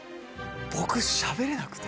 僕しゃべれなくて。